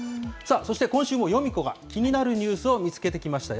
そして、今週もヨミ子が気になるニュースを見つけてきましたよ。